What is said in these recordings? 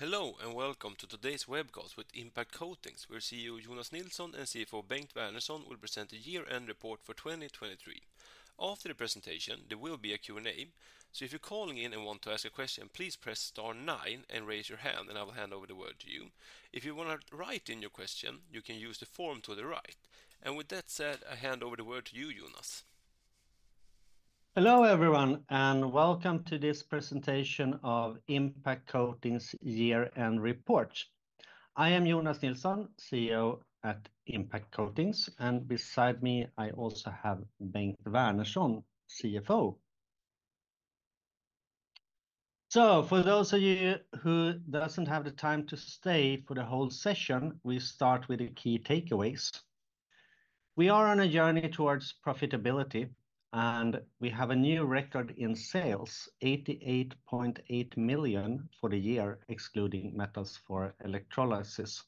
Hello, and welcome to today's webcast with Impact Coatings, where CEO Jonas Nilsson and CFO Bengt Vernerson will present the year-end report for 2023. After the presentation, there will be a Q&A. So if you're calling in and want to ask a question, please press star nine and raise your hand, and I will hand over the word to you. If you wanna write in your question, you can use the form to the right. And with that said, I hand over the word to you, Jonas. Hello, everyone, and welcome to this presentation of Impact Coatings year-end report. I am Jonas Nilsson, CEO at Impact Coatings, and beside me, I also have Bengt Vernerson, CFO. So for those of you who doesn't have the time to stay for the whole session, we start with the key takeaways. We are on a journey towards profitability, and we have a new record in sales, 88.8 million for the year, excluding metals for electrolysis.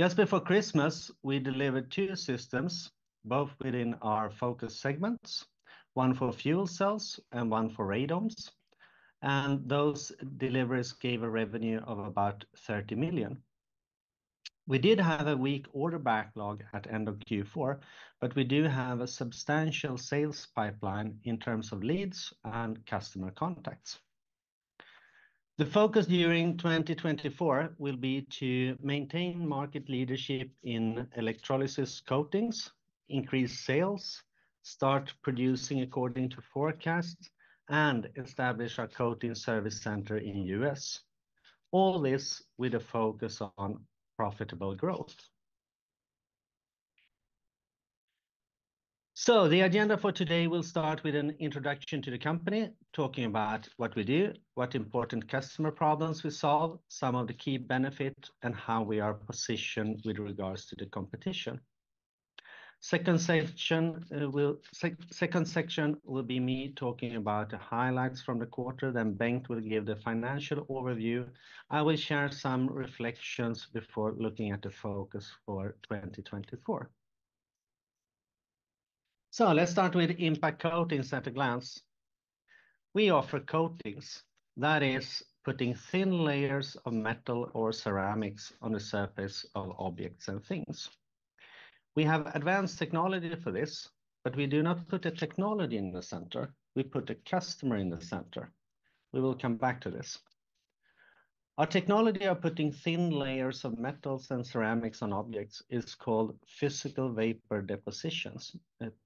Just before Christmas, we delivered 2 systems, both within our focus segments, one for fuel cells and one for radomes. Those deliveries gave a revenue of about 30 million. We did have a weak order backlog at end of Q4, but we do have a substantial sales pipeline in terms of leads and customer contacts. The focus during 2024 will be to maintain market leadership in electrolysis coatings, increase sales, start producing according to forecast, and establish our coating service center in U.S. All this with a focus on profitable growth. So the agenda for today, we'll start with an introduction to the company, talking about what we do, what important customer problems we solve, some of the key benefit, and how we are positioned with regards to the competition. Second section will be me talking about the highlights from the quarter, then Bengt will give the financial overview. I will share some reflections before looking at the focus for 2024. So let's start with Impact Coatings at a glance. We offer coatings, that is, putting thin layers of metal or ceramics on the surface of objects and things. We have advanced technology for this, but we do not put the technology in the center; we put the customer in the center. We will come back to this. Our technology of putting thin layers of metals and ceramics on objects is called Physical Vapor Deposition,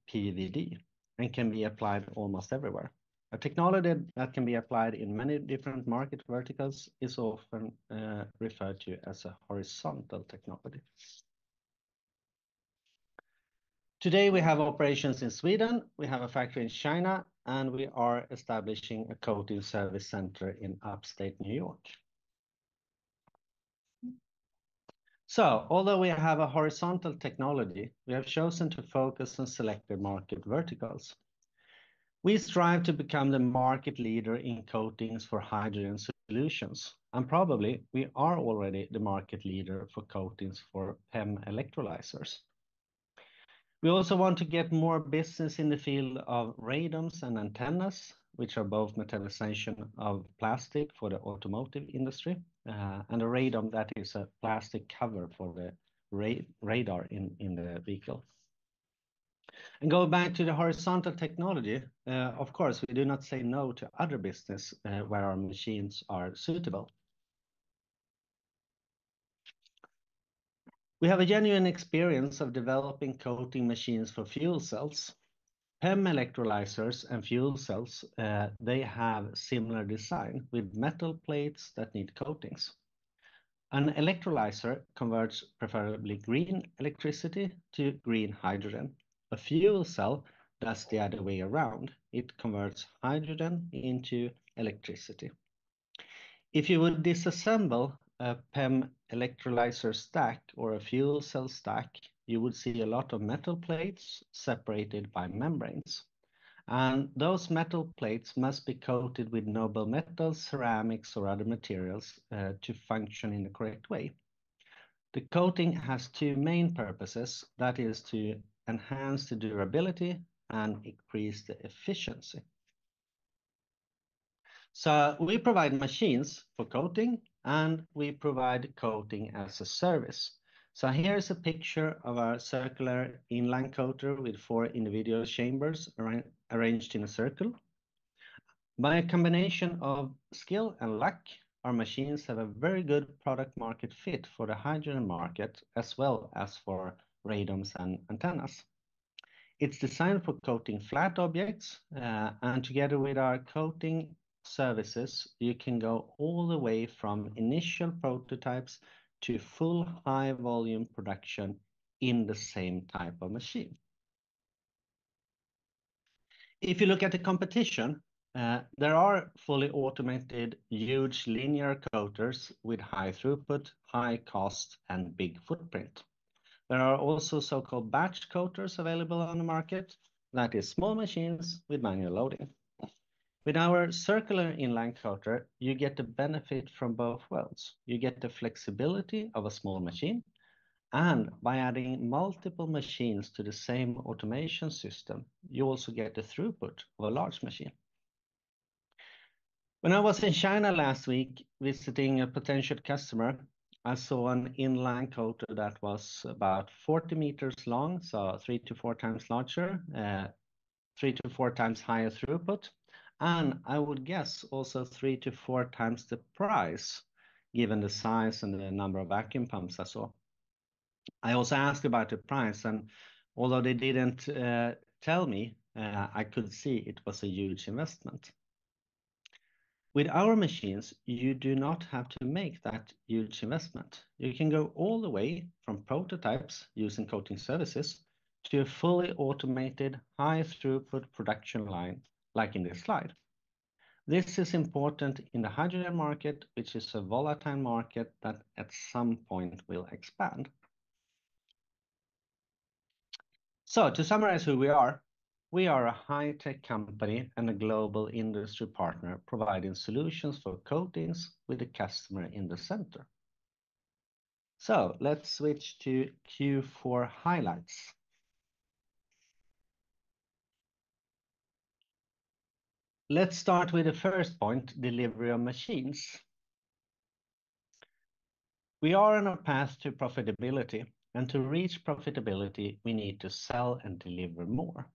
PVD, and can be applied almost everywhere. A technology that can be applied in many different market verticals is often referred to as a horizontal technology. Today, we have operations in Sweden, we have a factory in China, and we are establishing a coating service center in Upstate New York. So although we have a horizontal technology, we have chosen to focus on selective market verticals. We strive to become the market leader in coatings for hydrogen solutions, and probably we are already the market leader for coatings for PEM electrolyzers. We also want to get more business in the field of radomes and antennas, which are both metallization of plastic for the automotive industry, and a radome that is a plastic cover for the radar in the vehicle. Go back to the horizontal technology, of course, we do not say no to other business, where our machines are suitable. We have a genuine experience of developing coating machines for fuel cells. PEM electrolyzers and fuel cells, they have similar design with metal plates that need coatings. An electrolyzer converts preferably green electricity to green hydrogen. A fuel cell does the other way around: it converts hydrogen into electricity. If you would disassemble a PEM electrolyzer stack or a fuel cell stack, you would see a lot of metal plates separated by membranes. Those metal plates must be coated with noble metals, ceramics, or other materials to function in the correct way. The coating has two main purposes, that is, to enhance the durability and increase the efficiency. We provide machines for coating, and we provide coating as a service. Here is a picture of our circular inline coater with four individual chambers arranged in a circle. By a combination of skill and luck, our machines have a very good product-market fit for the hydrogen market, as well as for radomes and antennas. It's designed for coating flat objects, and together with our coating services, you can go all the way from initial prototypes to full high-volume production in the same type of machine. If you look at the competition, there are fully automated, huge linear coaters with high throughput, high cost, and big footprint. There are also so-called batched coaters available on the market, that is small machines with manual loading. With our circular inline coater, you get the benefit from both worlds. You get the flexibility of a small machine. And by adding multiple machines to the same automation system, you also get the throughput of a large machine. When I was in China last week visiting a potential customer, I saw an inline coater that was about 40 m long, so 3-4 times larger, 3-4 times higher throughput, and I would guess also 3-4 times the price, given the size and the number of vacuum pumps I saw. I also asked about the price, and although they didn't tell me, I could see it was a huge investment. With our machines, you do not have to make that huge investment. You can go all the way from prototypes using coating services to a fully automated, high-throughput production line, like in this slide. This is important in the hydrogen market, which is a volatile market that at some point will expand. So to summarize who we are, we are a high-tech company and a global industry partner providing solutions for coatings with the customer in the center. So let's switch to Q4 highlights. Let's start with the first point, delivery of machines. We are on a path to profitability, and to reach profitability, we need to sell and deliver more,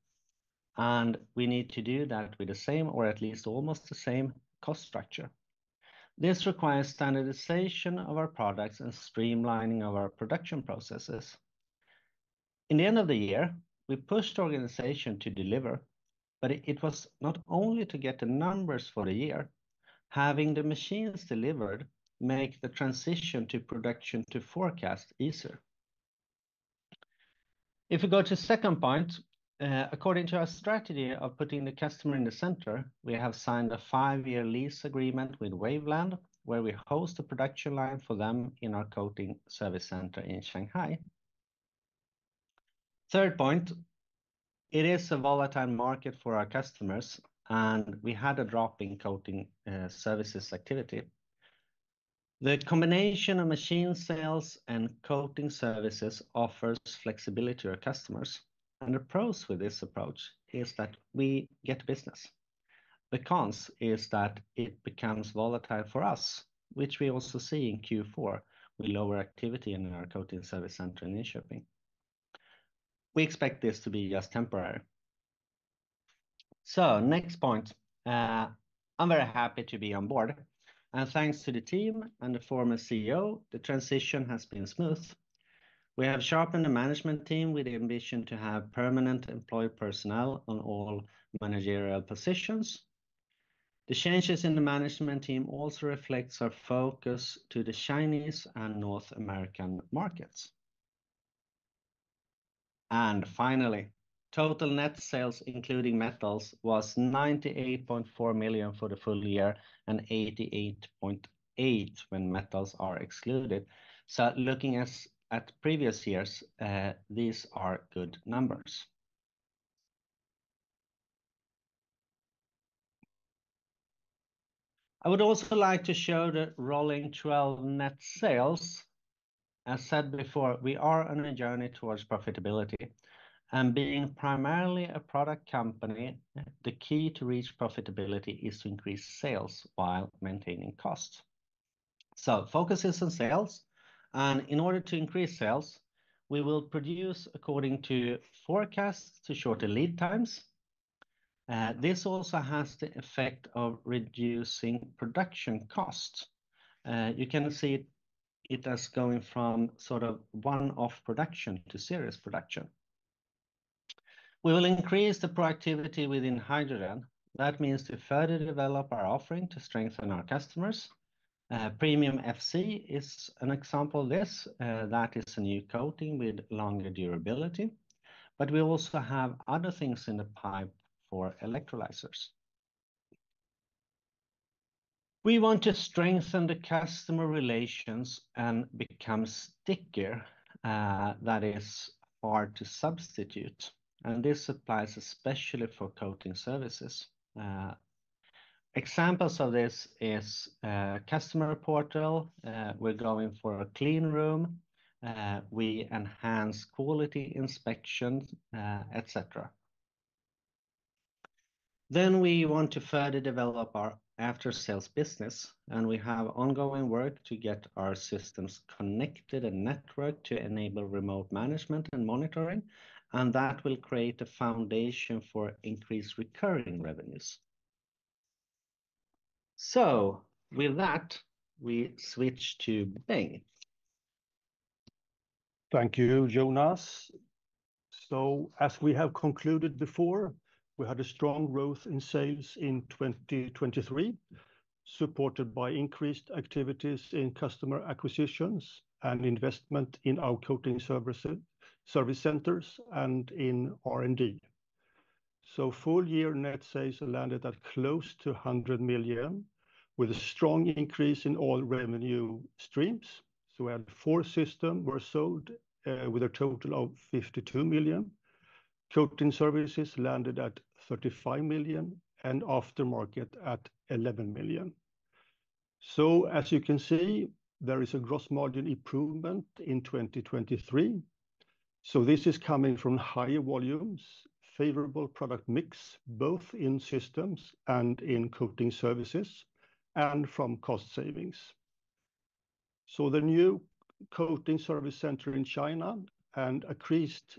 and we need to do that with the same or at least almost the same cost structure. This requires standardization of our products and streamlining of our production processes. In the end of the year, we pushed the organization to deliver, but it, it was not only to get the numbers for the year. Having the machines delivered make the transition to production to forecast easier. If we go to second point, according to our strategy of putting the customer in the center, we have signed a five-year lease agreement with Waveland, where we host a production line for them in our coating service center in Shanghai. Third point, it is a volatile market for our customers, and we had a drop in coating, services activity. The combination of machine sales and coating services offers flexibility to our customers, and the pros with this approach is that we get business. The cons is that it becomes volatile for us, which we also see in Q4, with lower activity in our coating service center in Linköping. We expect this to be just temporary. So next point, I'm very happy to be on board, and thanks to the team and the former CEO, the transition has been smooth. We have sharpened the management team with the ambition to have permanent employed personnel on all managerial positions. The changes in the management team also reflects our focus to the Chinese and North American markets. And finally, total net sales, including metals, was 98.4 million for the full year and 88.8 million when metals are excluded. So looking at previous years, these are good numbers. I would also like to show the rolling twelve-month net sales. As said before, we are on a journey towards profitability, and being primarily a product company, the key to reach profitability is to increase sales while maintaining costs. Focus is on sales, and in order to increase sales, we will produce according to forecasts to shorter lead times. This also has the effect of reducing production costs. You can see it as going from sort of one-off production to serious production. We will increase the productivity within hydrogen. That means to further develop our offering to strengthen our customers. Premium FC is an example of this, that is a new coating with longer durability, but we also have other things in the pipe for electrolyzers. We want to strengthen the customer relations and become stickier, that is hard to substitute, and this applies especially for coating services. Examples of this is customer portal, we're going for a clean room, we enhance quality inspections, et cetera. Then we want to further develop our after-sales business, and we have ongoing work to get our systems connected and networked to enable remote management and monitoring, and that will create a foundation for increased recurring revenues. So with that, we switch to Bengt. Thank you, Jonas. So as we have concluded before, we had a strong growth in sales in 2023, supported by increased activities in customer acquisitions and investment in our coating services, service centers, and in R&D. So full-year net sales landed at close to 100 million, with a strong increase in all revenue streams. So we had 4 systems were sold with a total of 52 million. Coating services landed at 35 million, and aftermarket at 11 million. So as you can see, there is a gross margin improvement in 2023. So this is coming from higher volumes, favorable product mix, both in systems and in coating services, and from cost savings. So the new coating service center in China and increased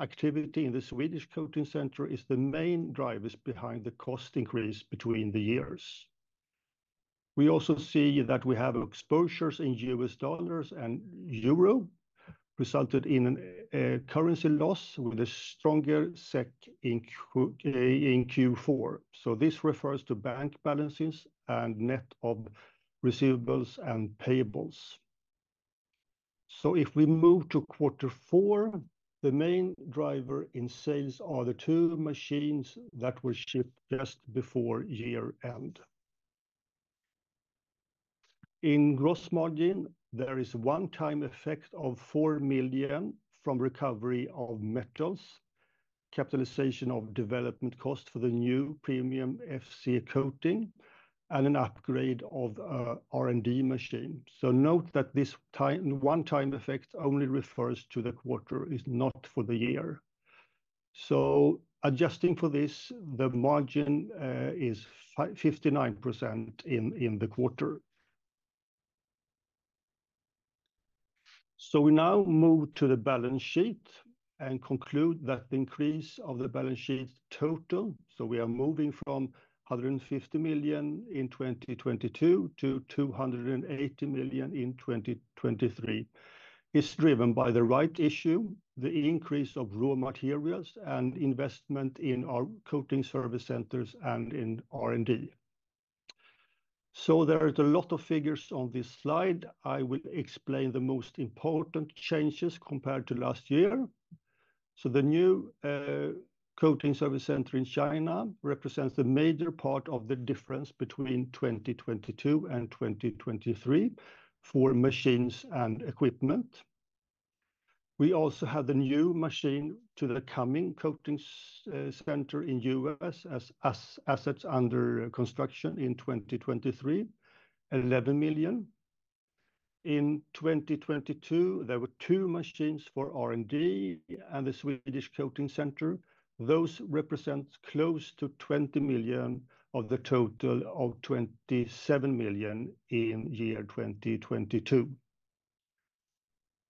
activity in the Swedish coating center is the main drivers behind the cost increase between the years. We also see that we have exposures in US dollars and euro, resulted in a currency loss with a stronger SEK in Q4. So this refers to bank balances and net of receivables and payables. So if we move to quarter four, the main driver in sales are the 2 machines that were shipped just before year end. In gross margin, there is one-time effect of 4 million from recovery of metals, capitalization of development cost for the new Premium FC coating, and an upgrade of R&D machine. So note that this one-time effect only refers to the quarter, it's not for the year. So adjusting for this, the margin is fifty-nine percent in the quarter. So we now move to the balance sheet and conclude that the increase of the balance sheet total, so we are moving from 150 million in 2022-SEK 280 million in 2023, is driven by the rights issue, the increase of raw materials, and investment in our coating service centers and in R&D. So there is a lot of figures on this slide. I will explain the most important changes compared to last year. So the new coating service center in China represents the major part of the difference between 2022 and 2023 for machines and equipment. We also have the new machine to the coming coating center in U.S. as assets under construction in 2023, 11 million. In 2022, there were two machines for R&D and the Swedish coating center. Those represent close to 20 million of the total of 27 million in year 2022.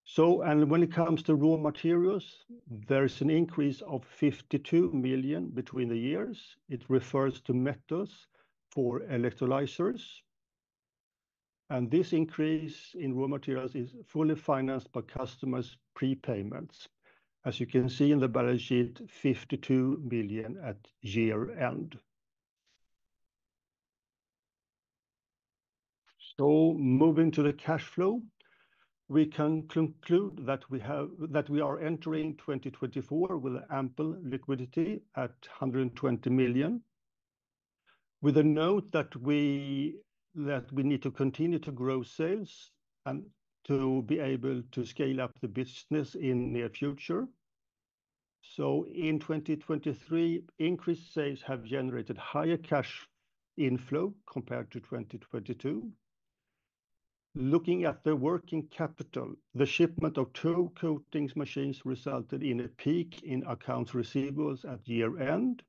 So, and when it comes to raw materials, there is an increase of 52 million between the years. It refers to metals for electrolyzers, and this increase in raw materials is fully financed by customers' prepayments. As you can see in the balance sheet, 52 million at year end. So moving to the cash flow, we can conclude that we are entering 2024 with ample liquidity at 120 million, with a note that we need to continue to grow sales and to be able to scale up the business in near future. So in 2023, increased sales have generated higher cash inflow compared to 2022. Looking at the working capital, the shipment of two coatings machines resulted in a peak in accounts receivable at year-end,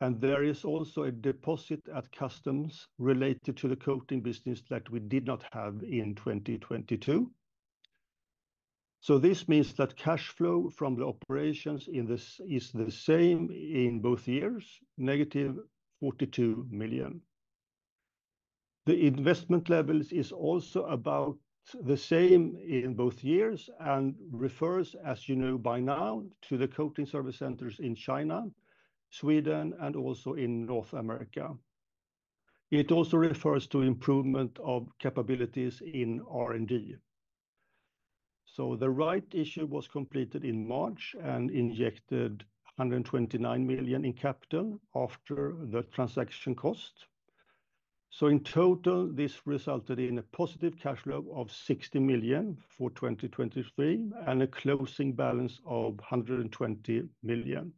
and there is also a deposit at customs related to the coating business that we did not have in 2022. So this means that cash flow from the operations in this is the same in both years, -42 million. The investment levels is also about the same in both years and refers, as you know by now, to the coating service centers in China, Sweden, and also in North America. It also refers to improvement of capabilities in R&D. So the rights issue was completed in March and injected 129 million in capital after the transaction cost. So in total, this resulted in a positive cash flow of 60 million for 2023 and a closing balance of 120 million.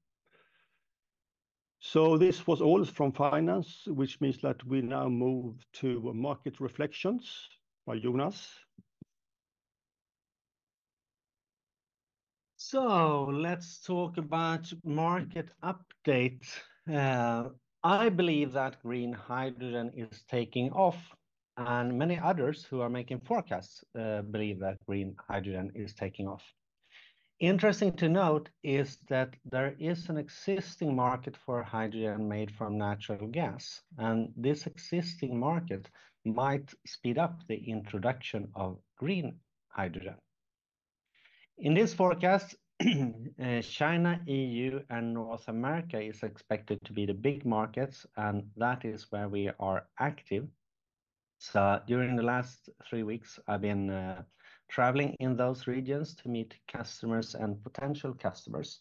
This was all from finance, which means that we now move to market reflections by Jonas. So let's talk about market update. I believe that green hydrogen is taking off, and many others who are making forecasts believe that green hydrogen is taking off. Interesting to note is that there is an existing market for hydrogen made from natural gas, and this existing market might speed up the introduction of green hydrogen. In this forecast, China, EU, and North America is expected to be the big markets, and that is where we are active. So during the last three weeks, I've been traveling in those regions to meet customers and potential customers.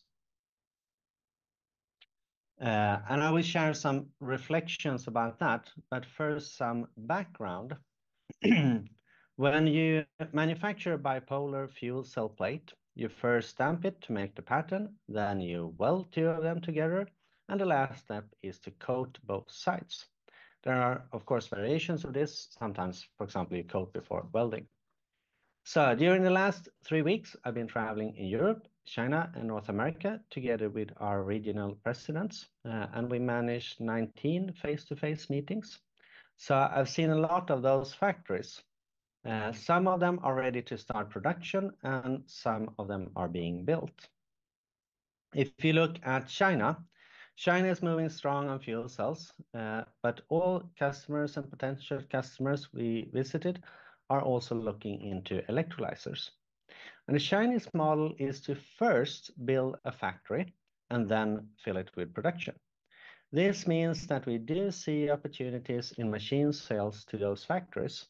And I will share some reflections about that, but first, some background. When you manufacture a bipolar fuel cell plate, you first stamp it to make the pattern, then you weld two of them together, and the last step is to coat both sides. There are, of course, variations of this. Sometimes, for example, you coat before welding. So during the last three weeks, I've been traveling in Europe, China, and North America together with our regional presidents, and we managed 19 face-to-face meetings. So I've seen a lot of those factories. Some of them are ready to start production, and some of them are being built. If you look at China, China is moving strong on fuel cells, but all customers and potential customers we visited are also looking into electrolyzers. And the Chinese model is to first build a factory and then fill it with production. This means that we do see opportunities in machine sales to those factories,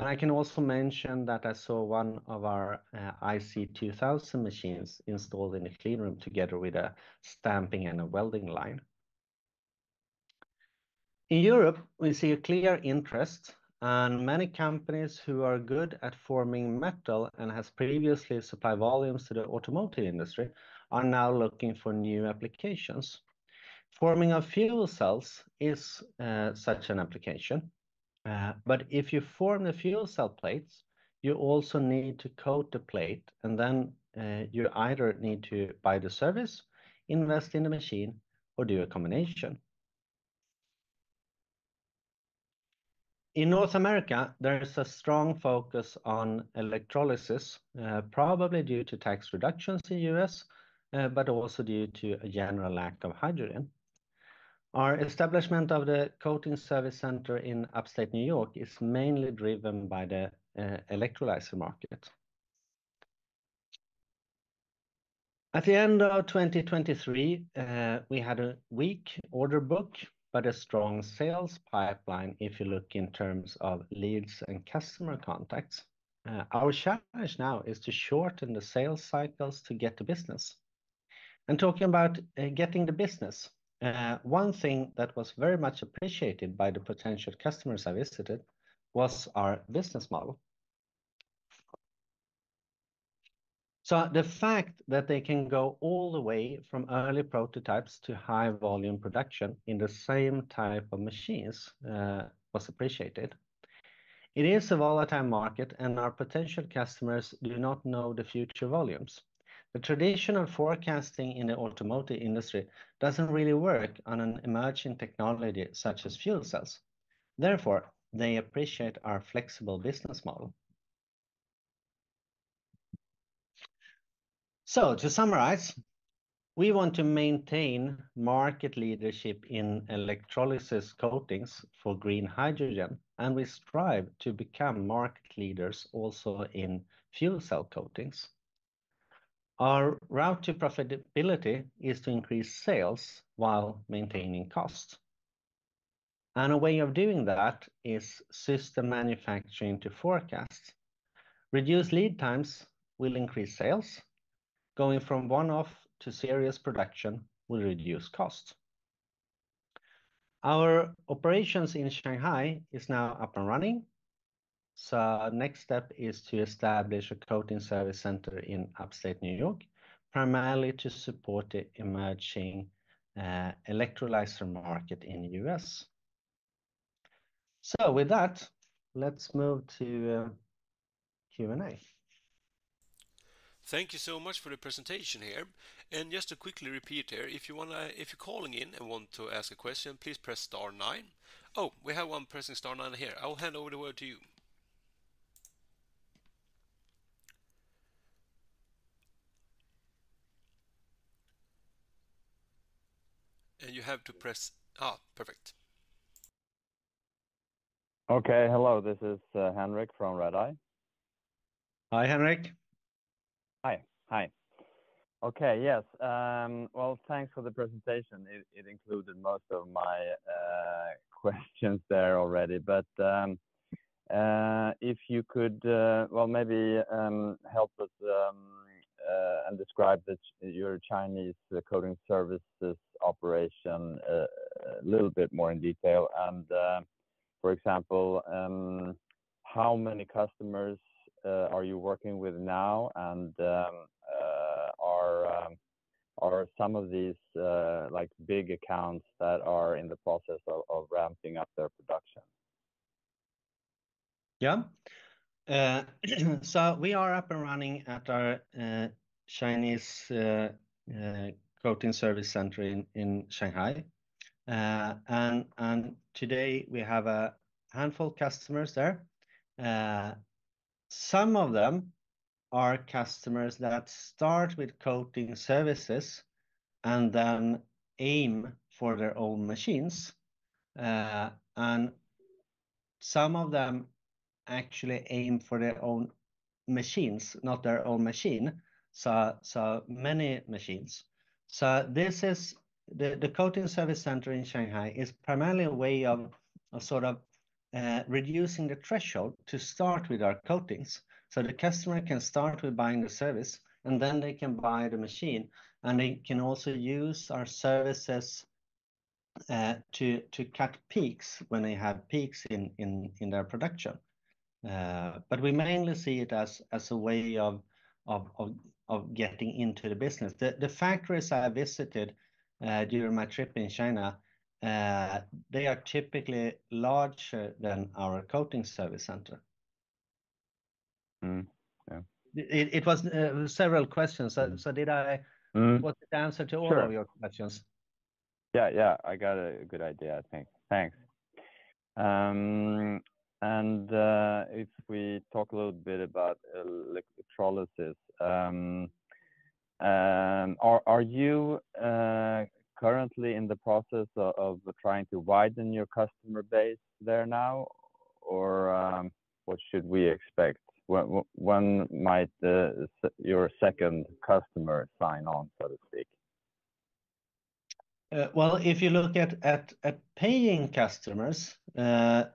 and I can also mention that I saw one of our IC2000 machines installed in a clean room together with a stamping and a welding line. In Europe, we see a clear interest, and many companies who are good at forming metal and has previously supplied volumes to the automotive industry are now looking for new applications. Forming of fuel cells is such an application, but if you form the fuel cell plates, you also need to coat the plate, and then you either need to buy the service, invest in the machine, or do a combination. In North America, there is a strong focus on electrolysis, probably due to tax reductions in U.S., but also due to a general lack of hydrogen. Our establishment of the coating service center in Upstate New York is mainly driven by the electrolyzer market. At the end of 2023, we had a weak order book, but a strong sales pipeline if you look in terms of leads and customer contacts. Our challenge now is to shorten the sales cycles to get the business. Talking about getting the business, one thing that was very much appreciated by the potential customers I visited was our business model. So the fact that they can go all the way from early prototypes to high-volume production in the same type of machines was appreciated. It is a volatile market, and our potential customers do not know the future volumes. The traditional forecasting in the automotive industry doesn't really work on an emerging technology such as fuel cells; therefore, they appreciate our flexible business model. So to summarize, we want to maintain market leadership in electrolysis coatings for green hydrogen, and we strive to become market leaders also in fuel cell coatings. Our route to profitability is to increase sales while maintaining cost, and a way of doing that is system manufacturing to forecast. Reduced lead times will increase sales. Going from one-off to serious production will reduce cost. Our operations in Shanghai is now up and running, so our next step is to establish a coating service center in Upstate New York, primarily to support the emerging electrolyzer market in the U.S. So with that, let's move to Q&A. Thank you so much for the presentation here. And just to quickly repeat here, if you're calling in and want to ask a question, please press star nine. Oh, we have one pressing star nine here. I will hand over the word to you. And you have to press... Ah, perfect. Okay, hello, this is Henrik from Redeye. Hi, Henrik. Hi, hi. Okay, yes, well, thanks for the presentation. It, it included most of my questions there already. But if you could, well, maybe, help us and describe your Chinese Coating Services operation a little bit more in detail. And for example, how many customers are you working with now, and are some of these like big accounts that are in the process of ramping up their production? Yeah. So we are up and running at our Chinese Coating Service Center in Shanghai. And today we have a handful of customers there. Some of them are customers that start with coating services and then aim for their own machines. And some of them actually aim for their own machines, not their own machine, so many machines. So this is. The Coating Service Center in Shanghai is primarily a way of sort of reducing the threshold to start with our coatings. So the customer can start with buying the service, and then they can buy the machine, and they can also use our services to cut peaks when they have peaks in their production. But we mainly see it as a way of getting into the business. The factories I visited during my trip in China, they are typically larger than our coating service center. Mm-hmm. Yeah. It was several questions. Mm-hmm. So did I- Mm-hmm. Was the answer to all- Sure... of your questions? Yeah, yeah, I got a good idea, I think. Thanks. And if we talk a little bit about electrolysis. Are you currently in the process of trying to widen your customer base there now, or what should we expect? When might your second customer sign on, so to speak? Well, if you look at paying customers,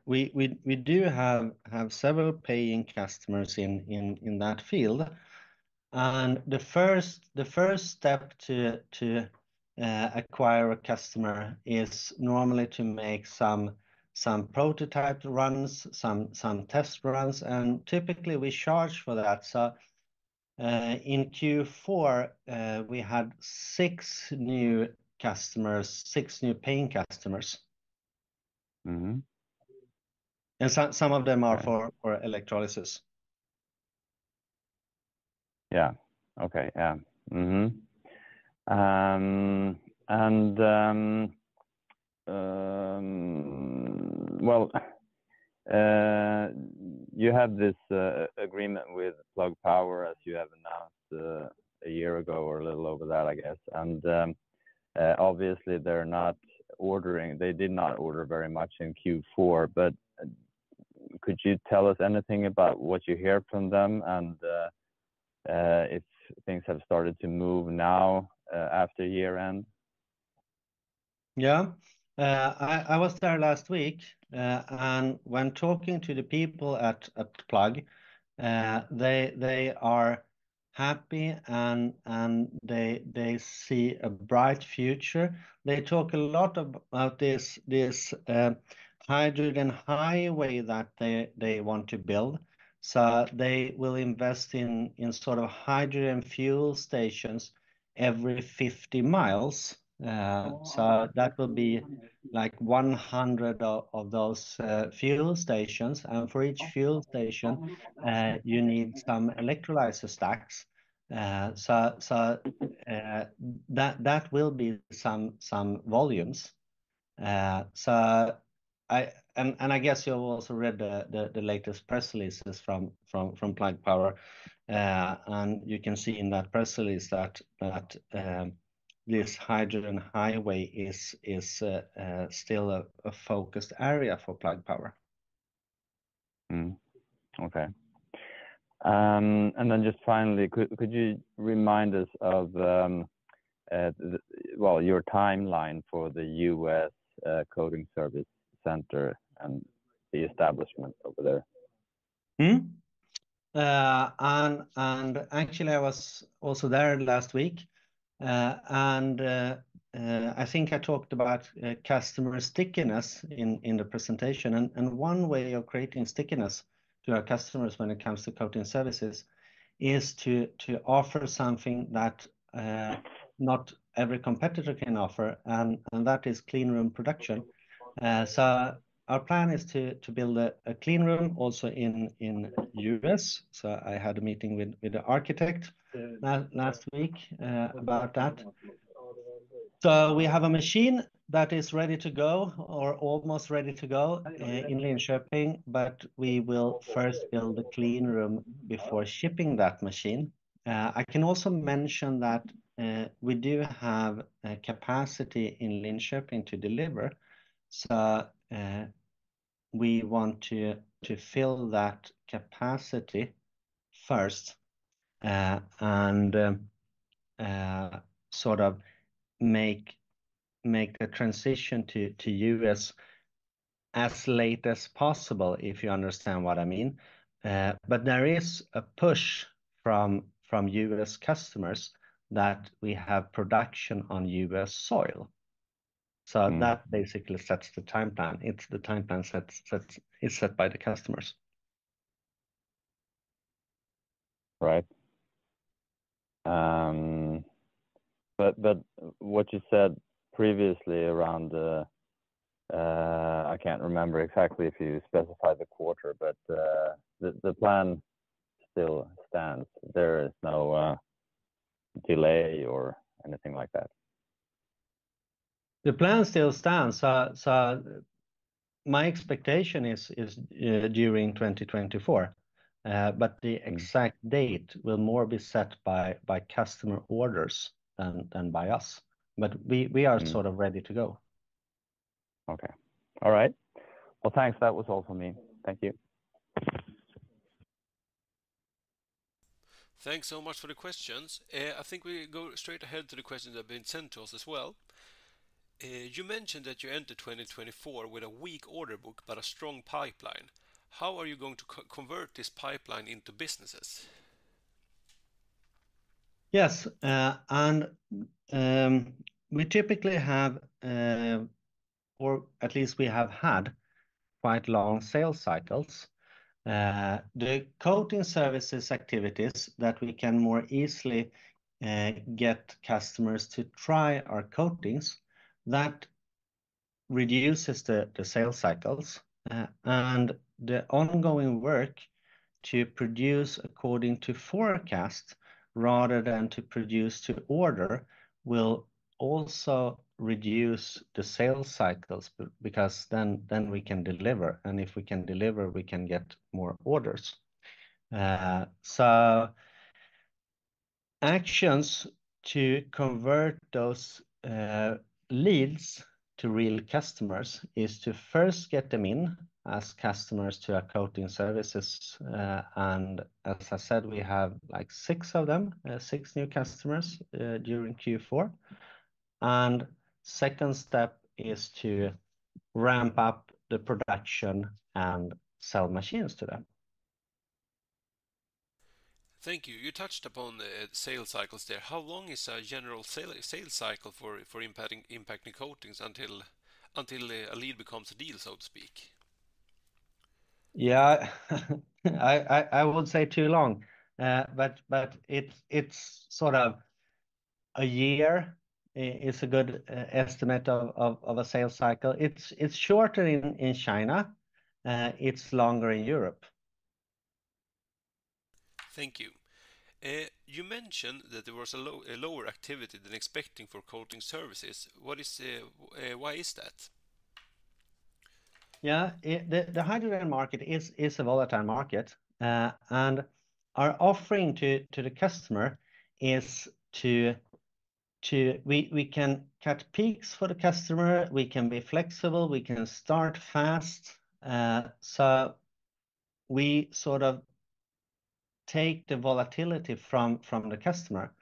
we do have several paying customers in that field. The first step to acquire a customer is normally to make some prototype runs, some test runs, and typically we charge for that. So, in Q4, we had 6 new customers, 6 new paying customers. Mm-hmm. And some of them are for- Yeah... for electrolysis. Yeah. Okay. Yeah. Mm-hmm. And well, you have this agreement with Plug Power, as you have announced a year ago or a little over that, I guess. And obviously, they're not ordering... They did not order very much in Q4, but could you tell us anything about what you hear from them, and if things have started to move now, after year end? Yeah. I was there last week, and when talking to the people at Plug, they are happy, and they see a bright future. They talk a lot about this hydrogen highway that they want to build. So they will invest in sort of hydrogen fuel stations every 50 miles. Oh. That will be like 100 of those fuel stations. Oh. And for each fuel station- Oh... you need some electrolyzer stacks. So, that will be some volumes. And I guess you have also read the latest press releases from Plug Power. And you can see in that press release that this hydrogen highway is still a focused area for Plug Power. Mm-hmm. Okay. And then just finally, could you remind us of, well, your timeline for the U.S. coating service center and the establishment over there? Actually, I was also there last week. I think I talked about customer stickiness in the presentation. One way of creating stickiness to our customers when it comes to coating services is to offer something that not every competitor can offer, and that is clean room production. Our plan is to build a clean room also in U.S. I had a meeting with the architect last week about that. We have a machine that is ready to go or almost ready to go in Linköping, but we will first build a clean room before shipping that machine. I can also mention that we do have a capacity in Linköping to deliver. So, we want to fill that capacity first, and sort of make the transition to U.S. as late as possible, if you understand what I mean. But there is a push from U.S. customers that we have production on U.S. soil. Mm-hmm. That basically sets the timeline. It's the timeline is set by the customers. Right. But what you said previously around the, I can't remember exactly if you specified the quarter, but, the plan still stands. There is no delay or anything like that? The plan still stands. So my expectation is during 2024, but the exact date will more be set by customer orders than by us. But we Mm-hmm... are sort of ready to go. Okay. All right. Well, thanks. That was all for me. Thank you. Thanks so much for the questions. I think we go straight ahead to the questions that have been sent to us as well. You mentioned that you entered 2024 with a weak order book, but a strong pipeline. How are you going to convert this pipeline into businesses?... Yes, and we typically have, or at least we have had quite long sales cycles. The coating services activities that we can more easily get customers to try our coatings, that reduces the sales cycles. And the ongoing work to produce according to forecast, rather than to produce to order, will also reduce the sales cycles, because then we can deliver, and if we can deliver, we can get more orders. So actions to convert those leads to real customers is to first get them in as customers to our coating services. And as I said, we have, like, six of them, six new customers during Q4. And second step is to ramp up the production and sell machines to them. Thank you. You touched upon the sales cycles there. How long is a general sales cycle for Impact Coatings until a lead becomes a deal, so to speak? Yeah. I would say too long. But it's sort of a year is a good estimate of a sales cycle. It's shorter in China. It's longer in Europe. Thank you. You mentioned that there was a lower activity than expecting for Coating Services. Why is that? Yeah, the hydrogen market is a volatile market, and our offering to the customer is to... We can cut peaks for the customer, we can be flexible, we can start fast. So we sort of take the volatility from the customer.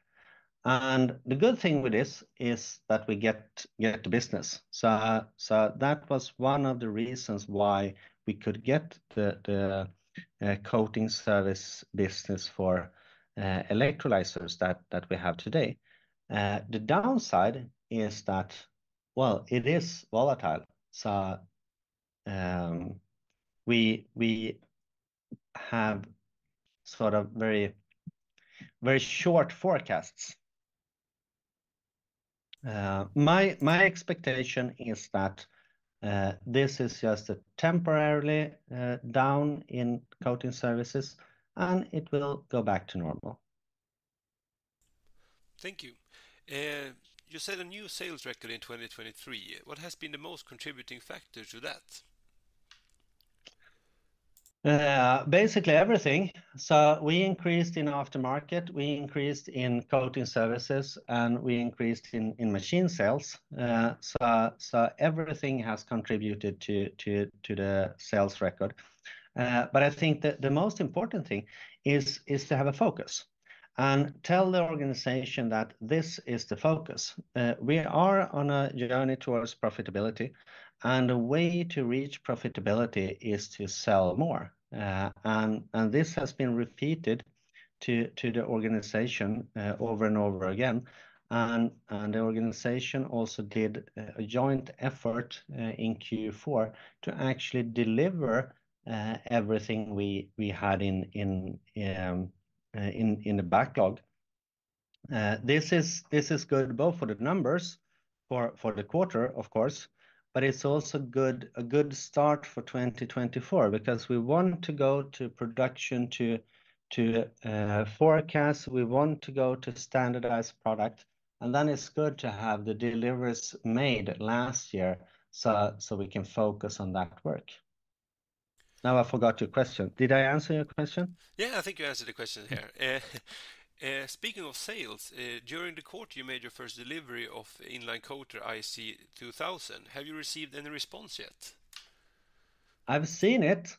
And the good thing with this is that we get the business. So, so that was one of the reasons why we could get the coating service business for electrolyzers that we have today. The downside is that, well, it is volatile, so, we have sort of very short forecasts. My expectation is that this is just a temporary down in coating services, and it will go back to normal. Thank you. You set a new sales record in 2023. What has been the most contributing factor to that? Basically everything. So we increased in aftermarket, we increased in coating services, and we increased in machine sales. So everything has contributed to the sales record. But I think the most important thing is to have a focus and tell the organization that this is the focus. We are on a journey towards profitability, and the way to reach profitability is to sell more. And this has been repeated to the organization over and over again. And the organization also did a joint effort in Q4 to actually deliver everything we had in the backlog. This is good both for the numbers for the quarter, of course, but it's also good—a good start for 2024, because we want to go to production to forecast. We want to go to standardized product, and then it's good to have the deliveries made last year, so we can focus on that work. Now, I forgot your question. Did I answer your question? Yeah, I think you answered the question here. Speaking of sales, during the quarter, you made your first delivery of InlineCoater IC2000. Have you received any response yet? I've seen it.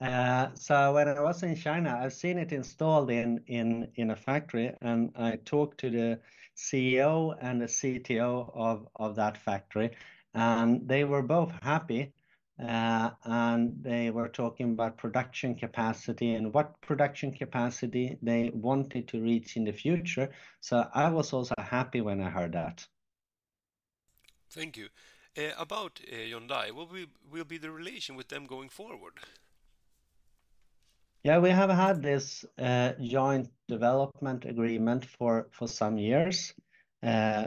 So when I was in China, I've seen it installed in a factory, and I talked to the CEO and the CTO of that factory, and they were both happy. They were talking about production capacity and what production capacity they wanted to reach in the future. I was also happy when I heard that. Thank you. About Hyundai, what will be the relation with them going forward? Yeah, we have had this joint development agreement for some years.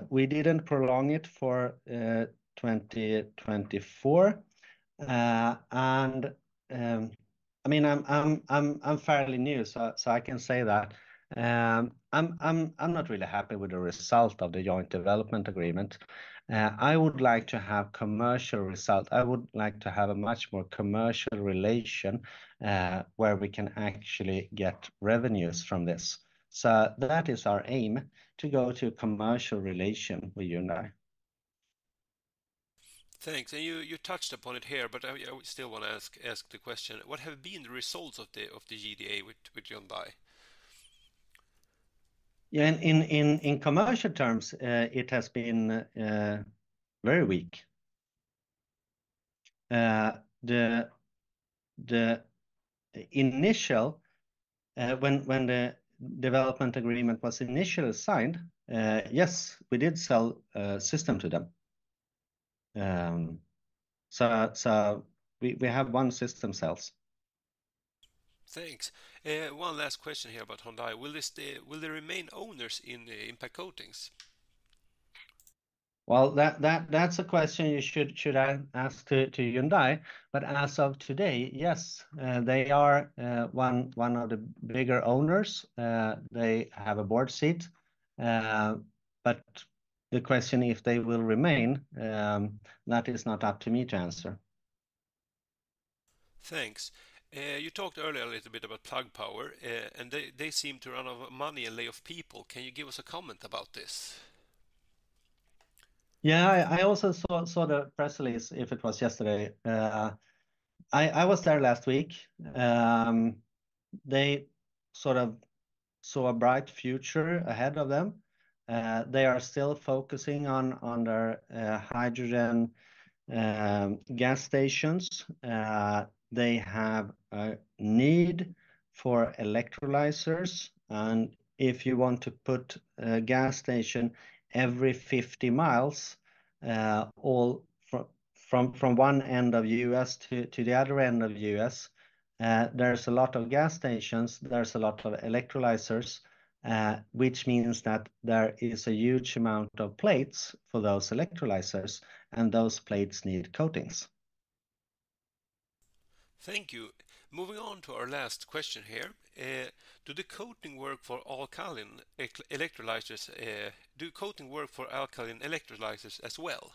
We didn't prolong it for 2024. I mean, I'm fairly new, so I can say that I'm not really happy with the result of the joint development agreement. I would like to have commercial result. I would like to have a much more commercial relation where we can actually get revenues from this. That is our aim, to go to a commercial relation with Hyundai. Thanks. And you touched upon it here, but I still want to ask the question: What have been the results of the GDA with Hyundai? Yeah, in commercial terms, it has been very weak. The initial when the development agreement was initially signed, yes, we did sell a system to them. So, we have one system sales. Thanks. One last question here about Hyundai. Will they stay, will they remain owners in the Impact Coatings? Well, that's a question you should ask to Hyundai. But as of today, yes, they are one of the bigger owners. They have a board seat, but the question if they will remain, that is not up to me to answer. Thanks. You talked earlier a little bit about Plug Power, and they, they seem to run out of money and lay off people. Can you give us a comment about this? Yeah, I also saw the press release, if it was yesterday. I was there last week. They sort of saw a bright future ahead of them. They are still focusing on their hydrogen gas stations. They have a need for electrolyzers, and if you want to put a gas station every 50 miles, all from one end of U.S. to the other end of U.S., there's a lot of gas stations, there's a lot of electrolyzers, which means that there is a huge amount of plates for those electrolyzers, and those plates need coatings. Thank you. Moving on to our last question here. Do the coating work for alkaline electrolyzers as well?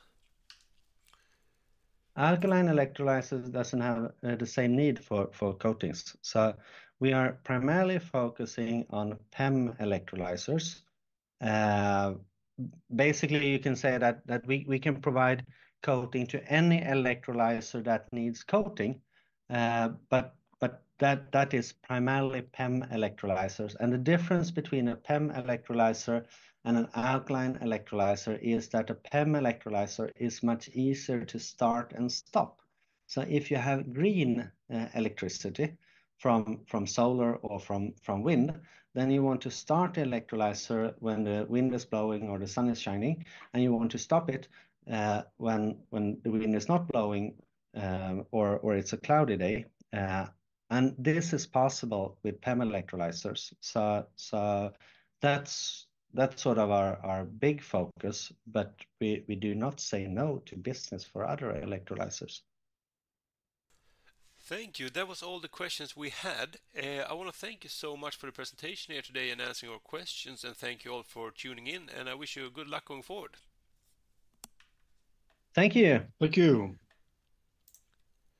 Alkaline electrolyzers doesn't have the same need for coatings, so we are primarily focusing on PEM electrolyzers. Basically, you can say that we can provide coating to any electrolyzer that needs coating, but that is primarily PEM electrolyzers. The difference between a PEM electrolyzer and an alkaline electrolyzer is that a PEM electrolyzer is much easier to start and stop. If you have green electricity from solar or from wind, then you want to start the electrolyzer when the wind is blowing or the sun is shining, and you want to stop it when the wind is not blowing, or it's a cloudy day. This is possible with PEM electrolyzers. So that's sort of our big focus, but we do not say no to business for other electrolyzers. Thank you. That was all the questions we had. I want to thank you so much for the presentation here today and answering our questions, and thank you all for tuning in, and I wish you a good luck going forward. Thank you. Thank you.